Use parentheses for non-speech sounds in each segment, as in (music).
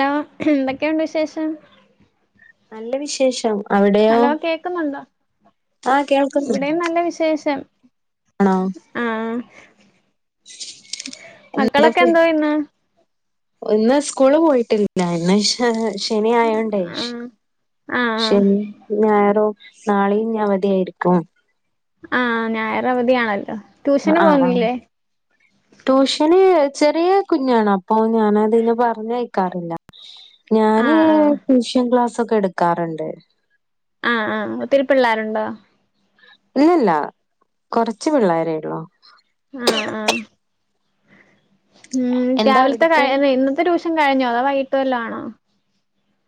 താ എന്തൊക്കെണ്ട് വിശേഷം നല്ല വിശേഷം അവിടെയോ ഹലോ കേക്കുന്നുണ്ടോ ആഹ് കേൾക്കുന്നുണ്ട് ഇവിടെയും നല്ല ആണോ ആഹ് ആഹ് എന്ത മക്കളൊക്കെ എന്തോ (unintelligible) ചെയ്യുന്നു ഒന്ന് സ്കൂള് പോയിട്ടില്ല എന്നേഷ് എഹ് ശനി ആയോണ്ടെ ആഹ് ആഹ് ശനി ഞായറോ നാളെയും ഇഞ് അവധി ആയിരിക്കാം ആഹ് ഞായറവധി ആണല്ലോ ആഹ് ആഹ് ട്യൂഷന് ചെറിയ കുഞ്ഞാണ് അപ്പൊ ഞാനത് നെ പറഞ്ഞയ്ക്കാറില്ല. ഞാന് ആഹ് ആഹ് ട്യൂഷൻ ക്ലാസ്സൊക്കെ എടുക്കാറുണ്ട് ആഹ് ആഹ് ഒത്തിരി പിള്ളാരുണ്ടോ ഇല്ലല്ല കൊർച്ച് പിള്ളേരേ ഒള്ളൂ ആഹ് ആഹ് ഉം എന്താ രാവിൽത്തെ കഴ അവിടുത്തെ ഇന്നത്തെ റ്റുഷ്യൻ കഴിഞ്ഞോ. അതോ വൈകിട്ട് വല്ല ആണോ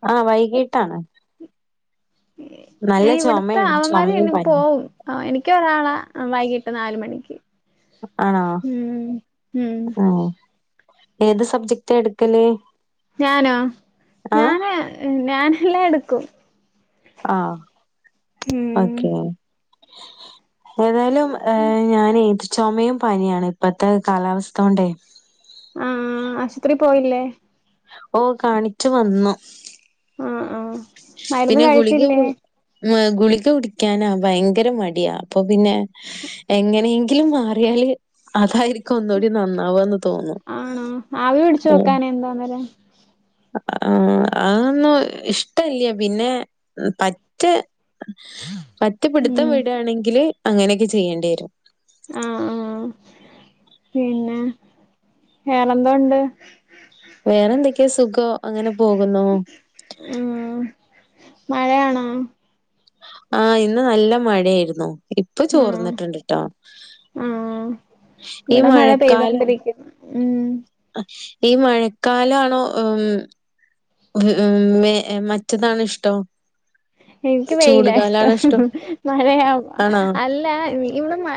ആഹ് വൈകീട്ടാണ് നല്ല ഏ ഇവിട്ത്ത ചുമയാണ് അവമ്മാര് ചുമയും ഇന്ന് പനിയും പോവും. ആഹ് എനിക്ക് ഒരാളാ വൈകീട്ട് നാല് മണിക്ക് ആണോ ഉം ഉം ആഹ് ഏത് സബ്ജക്റ്റ എട്ക്കല് ഞാനൊ ഞാന് ഞാനെല്ലാം എട്ക്കും ആഹ് ഉം ഓക്കെ ഏതായാലും ഏഹ് ഞാനെ ചൊമയും പനിയാണ് ഇപ്പത്തെ കാലാവസ്ഥോണ്ടേ ആഹ് ആഹ് ആശുപത്രി പോയില്ലേ ഓ കാണിച്ചു വന്നു ആഹ് ആഹ് മരുന്ന് പിന്നെ ഗുളിക കഴിച്ചില്ലേ കു മ ഗുളിക കുടിക്കാനാ ഭയങ്കര മടിയാ അപ്പൊ പിന്നെ എങ്ങനെയെങ്കിലും മാറിയാല് അതായിരിക്കും ഒന്നൂടി നന്നാവന്ന് തോന്നും ആണോ ആവി പിടിച്ചു ഉം നോക്കാനെ എന്താന്നേരം ആഹ് അന്നോ ഇഷ്ടല്ലേ പിന്നെ പ റ്റെ പറ്റെ പിടുത്തം ഉം വീടാണെങ്കില് അങ്ങനെയൊക്കെ ചെയ്യേണ്ടിയെരും ആഹ് ആഹ് പിന്നെ വെറെന്തോണ്ട്? വേറെ എന്തൊക്കെ സുഖം അങ്ങനെ പോകുന്നൂ ഉം മഴയാണോ? ആഹ് ഇന്ന് നല്ല മഴയായിർന്നു ഇപ് ഇപ്പൊ ആഹ് ചോർന്നിട്ടുണ്ട്ട്ടോ ആഹ് ഈ ഇവിടെ മഴ മഴക്കാലം പെയ്തോണ്ടിരിക്കുന്നു ഉം ഈ മഴക്കാലാണോ ഉം ഉം ഉം മ മറ്റതാണോ ഇഷ്ടം എനിക്ക് വെയിലാ ചൂടുകാലാണോ ഇഷ്ട്ടം ഇഷ്ടം? മഴയാവു ആണോ? അല്ല ഇന്നും മ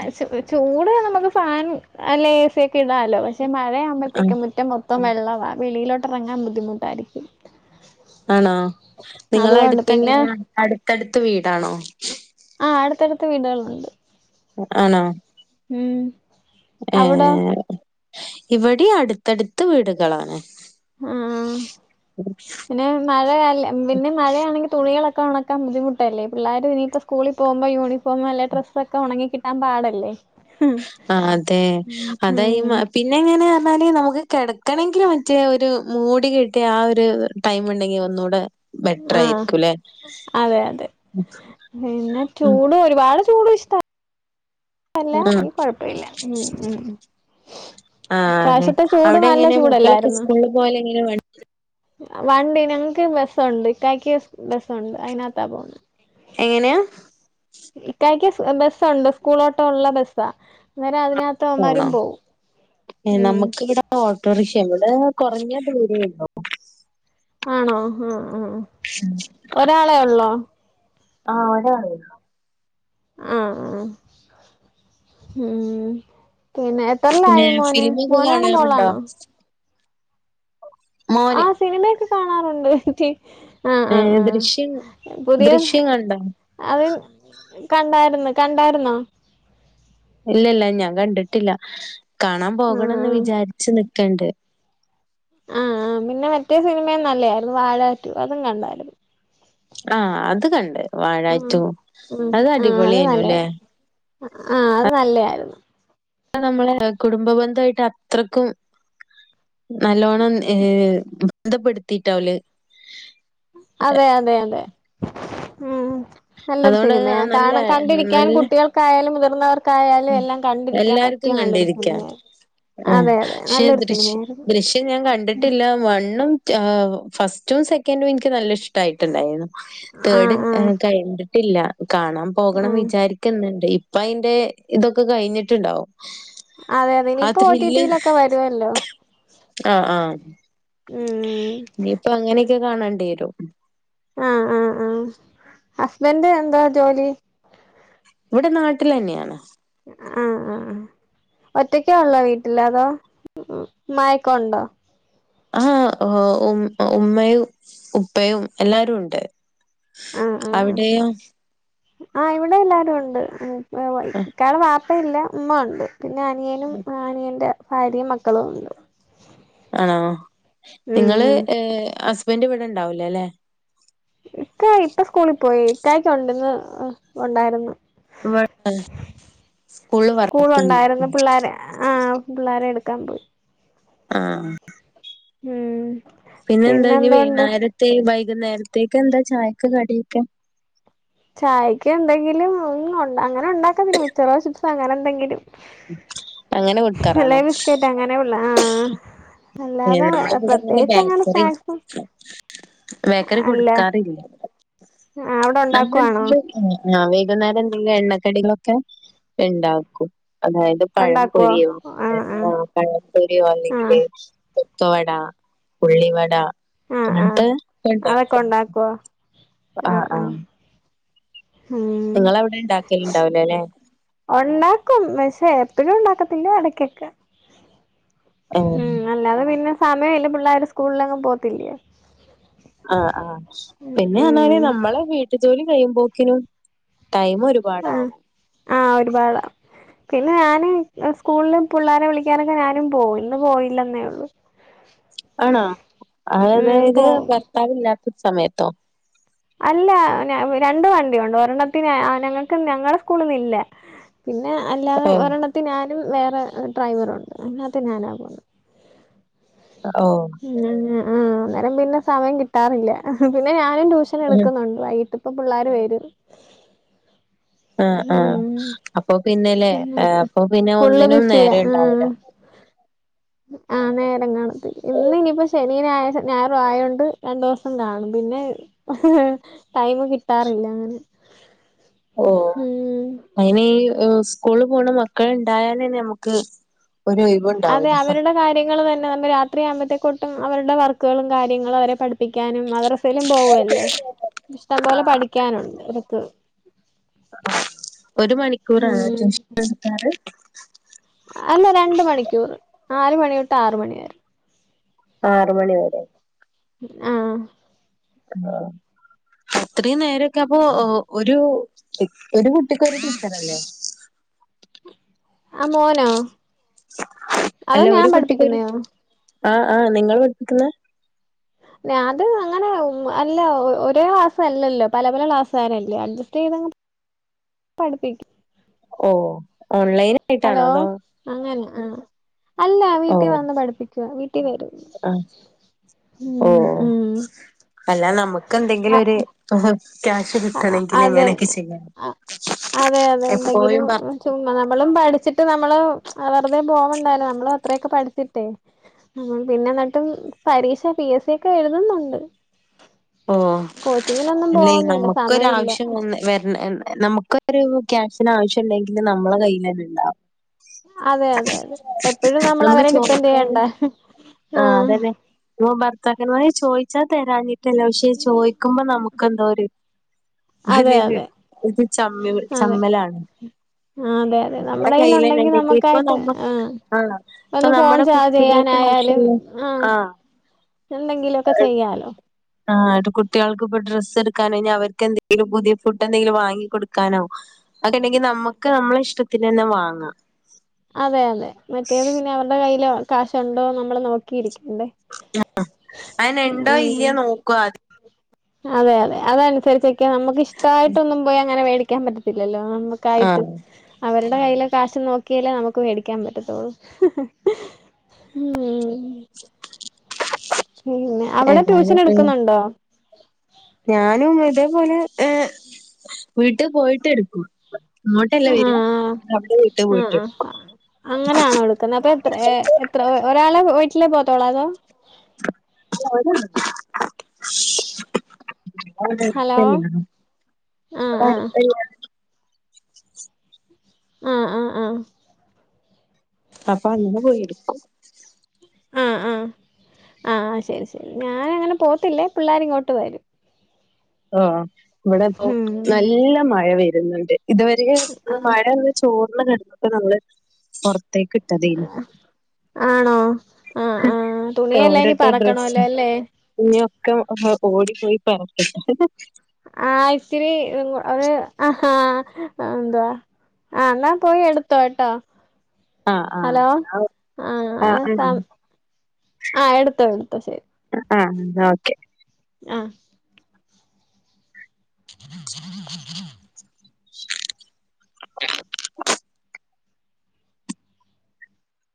ചൂട് നമുക്ക് ഫാനും അല്ലെ എ സിയ ഒക്കെ ഇടാല്ലോ പക്ഷെ ആഹ് മഴയാവുമ്പോഴത്തേക്കും മുറ്റം മൊത്ത ത്തം വെള്ളവ വെളിയിലോട്ടിറങ്ങാൻ ബുദ്ധിമുട്ടായിരിക്കും ആണോ നിങ്ങളെ അതുകൊണ്ട് അടുത്ത് പിന്നെ എങ്ങനെയ അടുത്തടുത്ത് വീടാണോ? ആഹ് ആഹ് അടുത്തടുത്ത് വീടുകളുണ്ട് ആണോ ഉം അവിടോ ഇവിടേം അടുത്തടുത്ത് വീടുകളാണ് (inaudible) ആഹ് പിന്നെ മഴയല്ല പിന്നെ മഴയാണെങ്കിൽ തുണികളൊക്കെ ഒണക്കാൻ ബുദ്ധിമുട്ടല്ലേ പിള്ളേരും ഇനി ഇപ്പൊ സ് സ്കൂളിൽ പോകുമ്പോ യൂണിഫോം അല്ല ഡ്രസ്സ് ഒക്കെ ഒണങ്ങി കിട്ടാൻ പാടല്ലേ ആഹ് അതെ അതാ ഈ ഉം പി - പിന്നെ എങ്ങനെ പറഞ്ഞാല് നമുക്ക് കെടക്കണങ്കിൽ മറ്റേ ഒരു മൂടി കെട്ടിയ ആ ഒരു - ടൈം ഉണ്ടെങ്കി ഒന്നൂടെ ആഹ് ബെറ്റർയിരിക്കും ഇല്ലെ അതെ അതെ പിന്നെ ചൂട് ഒരുപാട് ചൂട് ഇഷ്ട്ടവ അല്ല ആഹ് അത് കൊഴപ്പമില്ല ഉം ഉം ആഹ് അതെ ഇപ്രാവശ്യത്തെ ചൂട് അവിടെ നല്ല എങ്ങനെയാ മക്കളൊക്കെ ചൂടല്ലായിരുന്നോ സ്കൂളിൽ പോകാൻ എങ്ങനെയാ വഴക്ക് - വണ്ടി ഞങ്ങക്ക് ബസ്സുണ്ട് ഇക്കായക്ക് ബസ്സുണ്ട് അതിനകത്താ പോന്നെ എങ്ങനെയാ ഇക്കായ്ക്ക് ബസ്സുണ്ട് സ്കൂളോട്ടോ ഉള്ള ബസ്സാ അന്നേരം അതിനകത്ത് അവന്മാരും പോണോ പോകവും ഉം നമുക്ക് ഇവിടെ ഓട്ടോറിക്ഷ ഇവിടെ കൊറഞ്ഞ ദൂരെ ഒള്ളു ആണോ ആഹ് ആഹ് ഒരാളെ ഉള്ളോ? ആഹ് ഒരാളെ ഉള്ള് ആഹ് ആഹ് ഉം പിന്നെ പിന്നെ എത്രല്ലായി മോന് ഫിലിമൊക്കെ മോനാണോ കാണാറുണ്ടോ മോളാണോ ആ മോന് സിനിമയൊക്കെ കാണാറുണ്ട് ടി - ഏയെ ദൃശ്യം ദൃശ്യം കണ്ടോ അത് കണ്ടായിരുന്നു കണ്ടായിരുന്നോ ഇല്ല ഇല്ല ഞാൻ കണ്ടിട്ടില്ല കാണാൻ പോകണന്ന് ആഹ് വിചാരിച്ച് നിക്കണ്ട് ആഹ് ആഹ് പിന്നെ മറ്റേ സിനിമയും നല്ലായിരുന്നു വാഴാ റ്റു അതും കണ്ടായിരുന്നു ആഹ് അത് കണ്ട് വാഴാ ഉം റ്റു ഉം അത് ആഹ് അത് അടിപൊളിയാനു അല്ലേ? നല്ലയായിരുന്നു ആഹ് അത് നല്ലയാരുന്നു അതാ നമ്മള് കുടുംബന്ധമായിട്ട് അത്രയ്ക്കും- നല്ലോണ്ണം ഏ ബന്ധപ്പെടുത്തിട്ടാവല് - അതെ അതെ അതെ ഉം നല്ലൊരു അതുകൊണ്ട് സിനിമയാ നല്ല കാരണം കണ്ടിരിക്കാനും നല്ല കുട്ടികൾക്കായാലും മുതിർന്നവ ആർക്കായാലും എല്ലാം കണ്ടിരിക്കാൻ എല്ലാർക്കും പറ്റിയ നല്ലൊരു കണ്ടിരിക്കാം സിനിമയാണ് അതെ അതെ നല്ലൊരു സിനിമയായിരുന്നു ഇത് ഞാൻ കണ്ടിട്ടില്ല വണ്ണും ഫസ്റ്റും സെക്കൻറും എനിക്ക് നല്ല ഇഷ്ടമായിട്ടുണ്ടായിരുന്നു ആഹ് തേഡ് ആഹ് കഴിഞ്ഞിട്ടില്ല കാണാൻ പോകണന്ന് ആഹ് വിചാരിക്ക- ക്കുന്നുണ്ട് ഇപ്പ അതിന്റെ ഇതൊക്കെ കഴിഞ്ഞിട്ടുണ്ടാവും അതെ അതെ ആ ഇനിയിപ്പോ ത്രില്ല് ഓടിടിയിലൊക്കെ വരുല്ലോ ഉം ഇനിപ്പോ അങ്ങനെയൊക്കെ കാണണ്ടി വരും ആഹ് ആഹ് ആഹ് ഹസ്ബൻറ് എന്താ ജോലി? ഇവിടെ നാട്ടില് തന്നെയാണ് ആഹ് ആഹ് ഒറ്റക്കെ ഉള്ളോ വീട്ടില് അതോ ഉമ്മായൊക്കെ ഉണ്ടോ ആഹ് ഓഹ് ഉമ്മ ഉമ്മയും ഉപ്പയും എല്ലാരും ഉണ്ട് ആഹ് ആഹ് ആഹ് അവിടെയോ ആഹ് ഇവിടെ എല്ലാരും ഉണ്ട് ഇക്കാടെ വാപ്പയില്ല ഉമ്മ ഉണ്ട് പിന്നെ അനിയനും അനിയൻ്റെ ഭാര്യയും മക്കളുണ്ട് ആണോ ഉം ഇങ്ങള് ഉം ഏഹ് ഹസ്ബൻന്റ് ഇവിടെ ഉണ്ടാവൂലാ അല്ലെ ഇക്ക ഇപ്പ സ്കൂളിൽ പോയി ഇക്കായിക്ക ഉണ്ടന്ന് ഉണ്ടായിരുന്നു ഇവടെ സ്കൂളിൽ സ്കൂൾ വർക്ക്‌ ഉണ്ടായിരുന്നു (unintelligible) പിള്ളേരെ ആഹ് പിള്ളേരെ എടുക്കാൻ പോയി ആഹ് ഉം പിന്നെ എന്താ ഇഞ്ഞി പിന്നെന്തോണ്ട് വൈന്നേരത്തെ വൈകുന്നേരത്തേക്ക്‌ എന്താ ചായക്ക്‌ കടിയൊക്കെ ചായ്ക്ക് എന്തെങ്കിലും ഉം അങ്ങനെ ഉണ്ടാക്കൊന്നില്ല മിച്ചറോ, ചിപ്സ് അങ്ങനെ എന്തെങ്കിലും അങ്ങനെ കൊടുക്കാറാണോ? അങ്ങനെയുള്ള ആഹ് ഏഹ് അല്ലാതെ നമ്മളിവിടെ പ്രത്യേകിച്ച് അങ്ങനെ ബേക്കറി സ്നാക്സും ബേക്കറി അല്ല കൊടുക്കാറില്ല അവിടെ നമ്മള് ഉണ്ടാക്കുവാണോ എന്തെങ്കിലും ആഹ് ആഹ് വൈകുന്നേരം എന്തെങ്കിലും എണ്ണക്കടിളൊക്കെ ഉണ്ടാക്കും അതായത് പഴം ഉണ്ടാക്കുവോ പൊരിയോ ആഹ് ആഹ് ബ്രെഡോ പഴം പൊരിയോ അല്ലെങ്കില് ആഹ് കൊക്കവട ഉള്ളി വട അങ്ങൻത്തെ ഒക്കെ ഇണ്ടാ ഒക്കെ ഇണ്ടാക്കോ ആഹ് ആഹ് ഉം നിങ്ങള് അവിടെ ഉണ്ടാക്കില് ഉണ്ടാവൂലാ അല്ലെ ഉണ്ടാക്കും പക്ഷേ എപ്പഴും ഉണ്ടാക്കത്തില്ല ഇടക്കൊക്കെ ഏഹ് ഉം അല്ലാതെ പിന്നെ സമയം ഇല്ല പിള്ളേര് സ്കൂളിലെങ്ങും പോവത്തില്ലേ ആഹ് ആഹ് പിന്നെ പറഞ്ഞാല് ഉം നമ്മളെ വീട്ടു ജോലി കഴിയുമ്പോക്കിനും ടൈം ഒരു ആഹ് (unintelligible) ആഹ് ഒരുപാടാവും പിന്നെ ഞാന് സ്കൂളിൽ പിള്ളോരെ വിളിക്കാനൊക്കെ ഞാനും പോവും ഇന്ന് പോയില്ലെന്നേ ഉള്ളു ആണോ അതായത് ഉം ത് പോവും ഭർത്താവില്ലാത്ത സമയത്തോ അല്ല രണ്ട് വണ്ടിയുണ്ട് ഒരെണ്ണത്തിന് ഞങ്ങൾക്ക് ഞങ്ങളെ സ്കൂളിന്ന് ഇല്ല പിന്നെ അല്ലാതെ ഓ ഒരെണ്ണത്തി ഞാനും വേറെ ഡ്രൈവറുണ്ട് അയ്നാത്ത് ഞാനാ പോവുന്നത് ഓഹ് ഉം ആഹ് അന്നേരം പിന്നെ സമയം കിട്ടാറില്ല പിന്നെ ഞാനും ട്യൂഷന് ഉം എടുക്കുന്നുണ്ട് വൈകിട്ടത്തേ പിള്ളേര് വരും ആഹ് ആഹ് ഉം അപ്പൊ പിന്നെല്ലേ പിന്നെ അപ്പൊ പിന്നെ ഫുള്ള് ഒന്നിനും ബിസിയാ നേരെ ഇണ്ടാവൂലാ ആഹ് ആഹ് നേരം കാണത്ത്ല്ലാ ഇന്ന് ഇനിയിപ്പോ ശനി ഞായറും ഞായറു ആയോണ്ട് രണ്ടൂസം കാണും പിന്നെ ടൈമ് കിട്ടാറില്ല അങ്ങനെ ഓ ഉം അയിന് ഈ സ്കൂള് പോണ മക്കള് ഇണ്ടായാലന്നെ നമക്ക് അതെ അവരുടെ കാര്യങ്ങൾ തന്നെ നമ്മെ രാത്രിയാവുമ്പഴത്തേക്കൊട്ടും അവരുടെ വർക്കുകളും കാര്യങ്ങളും അവരെ പഠി പഠിക്കാനും മദ്രസയിലും പോവല്ലേ ഇഷ്ടം പോലെ ആഹ് പഠിക്കാനുണ്ട് അവർക്ക് ഒരു മണിക്കൂറാണോ ഉം ട്യൂഷനെടുക്കാറ്? അല്ല രണ്ട് മണിക്കൂറ് നാല് മണി തൊട്ട് ആറ് മണിവരെ ആറ് മണി വരെ ആഹ് അത്രയും നേരൊക്കെ അപ്പൊ ഒരു ഒരു കുട്ടിക്ക് ഒരു ടീച്ചറല്ലേ ആ മോനോ അതോ ഞാൻ പഠിപ്പിക്കുന്നയോ ആഹ് ആഹ് നിങ്ങള് പഠിപ്പിക്കുന്നെ അത് അങ്ങനെഅല്ല ഒരേ ക്ലാസ് അല്ലല്ലോ പല പല ക്ലാസുകാരല്ലേ അഡ്ജസ്റ്റ് ചെയ്തങ്ങ് പടിപ്പിക്കും ഓഹ് ഓൺലൈന ഹലോ അങ്ങനെ ആ അല്ല ഓ വീട്ടി വന്ന് പഠിപ്പിക്കുവ വീട്ടി വരും ആ ഓ ഉം ഉം അല്ല നമുക്ക് അ എന്തെങ്കിലൊര് ക്യാഷ് കിട്ടണെങ്കില് അതെ ഇങ്ങനൊക്കെ ചെയ്യണം അതെ അതെ എന്തെങ്കിലും ചുമ്മാ നമ്മളും പഠിച്ചി ട്ട് നമ്മള് വെറുതെ പോവണ്ടാലോ നമ്മള അത്രയൊക്കെ പഠിച്ചിട്ടേ നമ്മൾ പിന്നെ ന്നിട്ടും പരീക്ഷ പി എസ് സി ഒക്കെ എഴുതുന്നുണ്ട് കോച്ചിങ്ങിനൊന്നും പോവുന്നി ക്ക് ഒരാവശ്യം വര നമുക്കൊരു ക്യാഷിന് ആവശ്യം ഉണ്ടെങ്കിനമ്മളെ കയ്യിൽ അത് ഇണ്ടാവും അതെ അതെ അതെ എപ്പോഴും നമ്മള വരെ ഡിപ്പെൻഡ് ചെയ്യണ്ട ആഹ് അതെന്നെ മോൻ പറഞ്ഞു കാക്കന്മാര് ചോയിച്ചാ തരാഞ്ഞിട്ടല്ല പക്ഷേ ചോയിക്കുമ്പോ നമുക്ക് എന്തോ ഒരു അതെ ഒരു അതെ ഇത് ചമ്മല് ചമ്മലാണ് ആ അതെ അതെ നമ്മുടെ കൈയിൽ കയ്യിലന്നെ ഉണ്ടെങ്കി ഇപ്പൊ നമുക്കായിട്ട് നമ്മ ആഹ് ആഹ് ഇപ്പൊ ഒന്ന് ഫോൺ നമ്മുടെ ചാർജ് കുട്ടികൾക്ക് ചെയ്യാനായാലും ആവശ്യള്ള ആ ആഹ് എന്തെങ്കിലൊക്കെ ചെയ്യാലോ ആഹ്കുട്ടികൾക്ക് ഇപ്പൊ ഡ്രസ്സ് എടുക്കാനോ ഇനി അവരിക്കെന്തെങ്കിലും പുതിയ ഫുഡ് എന്തെങ്കിലും വാങ്ങി കൊടുക്കാനോ അക്കെ ഇണ്ടെങ്കി നമ്മക്ക് നമ്മളെ ഇഷ്ടത്തിന് തന്നെ വാങ്ങാം അതെ അതെ മറ്റേത് പിന്നെ അവരുടെ കയ്യിൽ കാശുണ്ടോന്ന് നമ്മൾ നോക്കിയിരിക്കണ്ടേ ആഹ് അയെന് ഇണ്ടോ ഉം ഇല്ലയോന്ന് നോക്കു ആദ്യം അതെ അതെ അതനുസരിച്ചൊക്കെ നമുക്ക് ഇഷ്ടമായിട്ടൊന്നും പോയി അങ്ങനെ മേടിക്കാൻ പറ്റത്തില്ലല്ലോ നമു ക്കായിട്ട് ആഹ് അവരുടെ കയ്യിലെ കാശ് നോക്കിയാലേ നമുക്ക് മേടിക്കാൻ പറ്റത്തുള്ളൂ ഉം പിന്നെ അവിടെ ഏതായാലും ഉം ട്യൂഷനെടുക്കുന്നുണ്ടോ ഞാനും ഇതേപോലെ ഏ വീട്ടിൽ പോയിട്ട് എടുക്കും ഇങ്ങോട്ടല്ലാ ആഹ് വരാ മൊട്ടേ അവിടെ വീട്ട് പോയിട്ട് അങ്ങനെയാണോ എടുക്കുന്നെ അപ്പൊ എത്ര എത്ര ഒരാളെ വീട്ടിലേ പോത്തോളോ അതോ അ അതാണ് (unintelligible) അത് ഹലോ ആഹ് ആഹ് അടുത്തെന്നെയാ ആഹ് ആഹ് ആഹ് അപ്പൊ അങ്ങനെ പോയി എടുക്കും ആഹ് ആഹ് ആ ഹ് ശെരി ശെരി ഞാനങ്ങനെ പോത്തില്ല പിള്ളേരിങ്ങോട്ട് വരും ആ ഇവിടെ ഇപ്പോ ഉം നല്ല മഴ വരുന്നുണ്ട് ഇതുവരെ ആഹ് മഴ ചോർന്ന് കിടന്നിട്ട് നമ്മള് പൊറത്തേക്ക് ഇട്ടതേനു ആണോ ആഹ് ആഹ് തുണിയെല്ല ഇനി പറക്കണല്ലോ ല്ലേ ഇഞ്ഞൊക്കെ ഓടിപ്പോയി പര്ത്തും ആഹ് ഇച്ചിരി അവര് അഹാ എന്തുവാ ആഹ് ന്നാ പോയി എടുത്തോ എട്ടോ ആഹ് ഹലോ ആഹ് ആഹ് ആഹ് സാ ആഹ് ആഹ് എടുത്തോ എടുത്തോ ശെരി ആഹ് ഓക്കെ ആഹ് (inaudible) (inaudible)